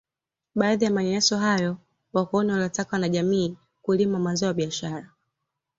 Baadhi ya manyanyaso hayo wakoloni waliwataka wanajamii kulima mazao ya biashara